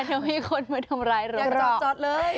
ถ้ามีคนมาทำร้ายหรือเปล่าอยากจอดจอดเลย